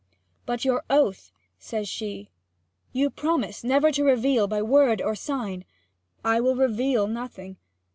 'But your oath?' says she. 'You promised never to reveal by word or sign ' 'I will reveal nothing.